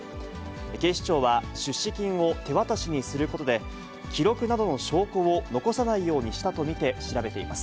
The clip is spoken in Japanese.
警視庁は出資金を手渡しにすることで、記録などの証拠を残さないようにしたと見て調べています。